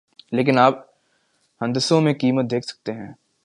لیکن آپ ہندسوں میں قیمت دیکھ سکتے ہیں